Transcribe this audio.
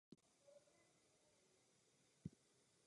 Byl aktivní v oblasti rozvoje obchodního školství.